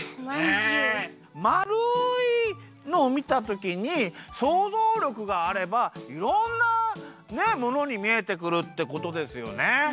まるいのをみたときにそうぞうりょくがあればいろんなものにみえてくるってことですよね。